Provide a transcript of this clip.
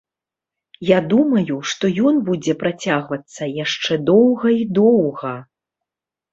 Я думаю, што ён будзе працягвацца яшчэ доўга і доўга.